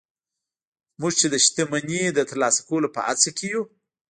موږ چې د شتمني د ترلاسه کولو په هڅه کې يو.